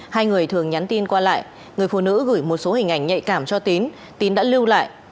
hai người thường nhắn tin qua lại người phụ nữ gửi một số hình ảnh nhạy cảm cho tín tín đã lưu lại